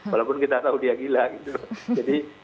walaupun kita tahu dia gila